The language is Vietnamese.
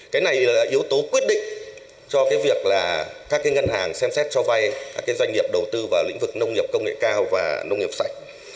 cái này là yếu tố quyết định cho cái việc là các ngân hàng xem xét cho vay các doanh nghiệp đầu tư vào lĩnh vực nông nghiệp công nghệ cao và nông nghiệp sạch